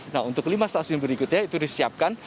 nah untuk lima stasiun berikutnya itu disiapkan